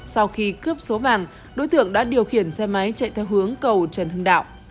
sau khi cướp số vàng đối tượng đã điều khiển xe máy chạy theo hướng cầu trần hưng đạo